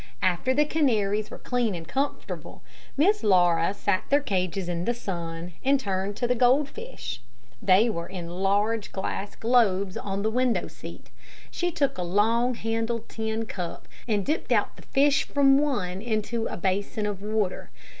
After the canaries were clean and comfortable, Miss Laura set their cages in the sun, and turned to the goldfish. They were in large glass globes on the window seat. She took a long handled tin cup, and dipped out the fish from one into a basin of water.